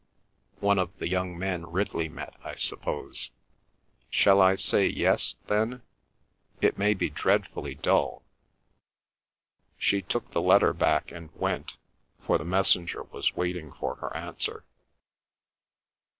One of the young men Ridley met, I suppose. Shall I say yes, then? It may be dreadfully dull." She took the letter back and went, for the messenger was waiting for her answer.